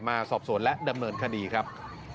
มาสอบสวนและดำเนินคดีครับ